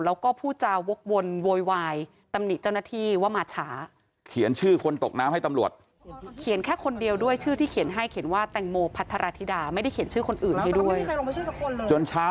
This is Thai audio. แล้วผู้เจ้าวกวนโวยวายตำหนิเจ้าหน้าที่ว่ามาฉา